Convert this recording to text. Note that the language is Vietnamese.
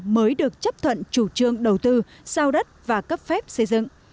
mới được chấp thuận chủ trương đầu tư sao đất và cấp phép xây dựng